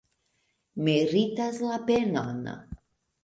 Meritas la penon!